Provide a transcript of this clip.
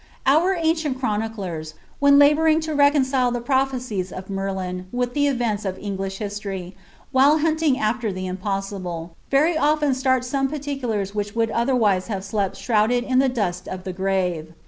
Our ancient chroniclers, when labouring to reconcile the prophecies f Merlin with the events of English history, while hunting after the npoesible, very often start some particulars which would otherwise ave slept shrouded in the dust of the mve.